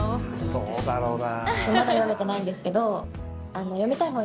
どうだろうな。